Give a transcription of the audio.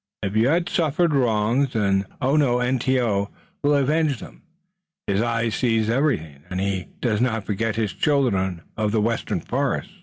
"If you have suffered wrongs Onontio will avenge them. His eye sees everything, and he does not forget his children of the western forests."